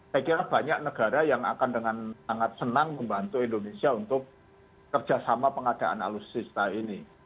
saya kira banyak negara yang akan dengan sangat senang membantu indonesia untuk kerjasama pengadaan alutsista ini